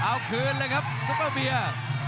เอาคืนเลยครับซุปเปอร์เบียร์